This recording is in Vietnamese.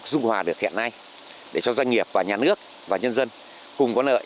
trung hòa được hiện nay để cho doanh nghiệp và nhà nước và nhân dân cùng có nợ